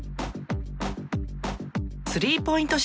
スリーポイント